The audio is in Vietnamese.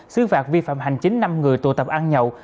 xứ phạt vi phạm hành chính năm người tụ tập ăn nhậu